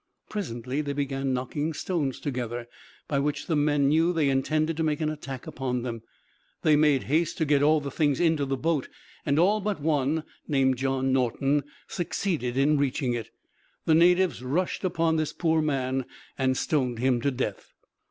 Presently they began knocking stones together, by which the men knew they intended to make an attack upon them. They made haste to get all the things into the boat, and all but one, named John Norton, succeeded in reaching it. The natives rushed upon this poor man and stoned him to death.